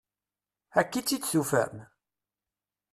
Akka i tt-id-tufam?